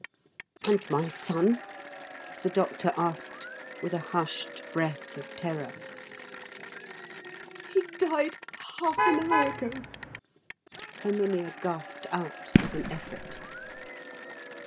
"And my son?" the Doctor asked, with a hushed breath of terror. "He died half an hour ago," Herminia gasped out with an effort.